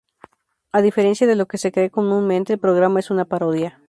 A diferencia de lo que se cree comúnmente, el programa es una parodia.